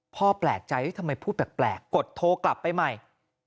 แปลกใจทำไมพูดแปลกกดโทรกลับไปใหม่